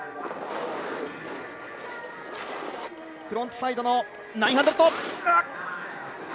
フロントサイド９００。